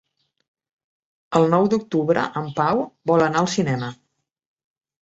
El nou d'octubre en Pau vol anar al cinema.